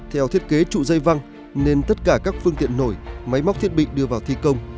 theo thiết kế trụ dây văng nên tất cả các phương tiện nổi máy móc thiết bị đưa vào thi công